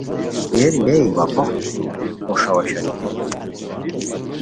بیری لئے وا بوخت بوݰاؤ اوشونی